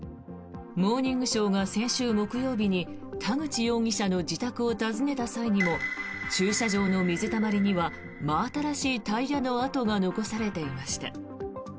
「モーニングショー」が先週木曜日に田口容疑者の自宅を訪ねた際にも駐車場の水たまりには真新しいタイヤの跡が残されていました。